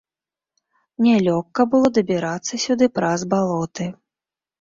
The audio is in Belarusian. Нялёгка было дабірацца сюды праз балоты.